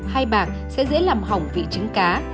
hay bạc sẽ dễ làm hỏng vị trứng cá